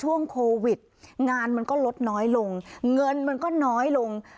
ช่วงโควิดงานมันก็ลดน้อยลงเงินมันก็น้อยลง